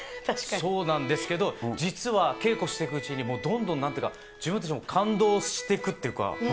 そうなんですけど、実は稽古してくうちに、もうどんどん、なんていうか、自分たちも感動していくっていうか。